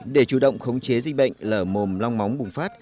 để chủ động khống chế dịch bệnh lở mồm long móng bùng phát